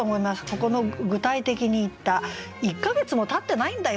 ここの具体的に言った「１か月もたってないんだよ」っていう感じね。